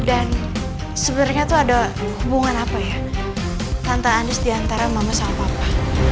dan sebenernya tuh ada hubungan apa ya tante andis diantara mama sama papa